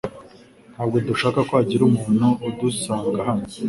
Ntabwo dushaka ko hagira umuntu udusanga hano.